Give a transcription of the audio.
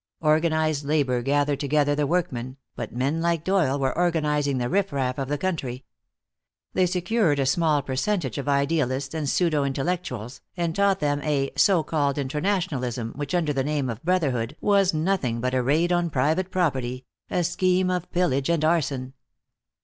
Organized labor gathered together the workmen, but men like Doyle were organizing the riff raff of the country. They secured a small percentage of idealists and pseudo intellectuals, and taught them a so called internationalism which under the name of brotherhood was nothing but a raid on private property, a scheme of pillage and arson.